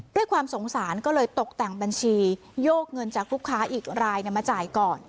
ด้วยความสงสารก็เลยตกแต่งบัญชีโยกเงินจากลูกค้าอีกรายมาจ่ายก่อน